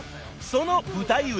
その舞台裏］